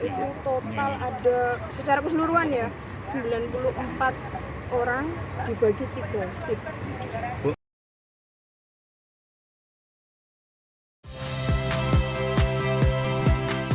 itu total ada secara keseluruhan ya sembilan puluh empat orang dibagi tipe sip